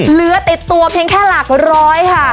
เหลือติดตัวเพียงแค่หลักร้อยค่ะ